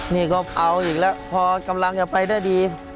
นี่ก็เอาอีกแล้วพอกำลังจะไปได้ดี